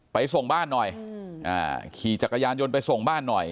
ไปส่งบ้านหน่อยขี่จักรยานยนต์ไปส่งบ้านหน่อย